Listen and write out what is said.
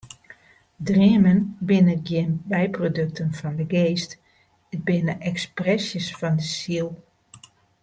Dreamen binne gjin byprodukten fan de geast, it binne ekspresjes fan de siel.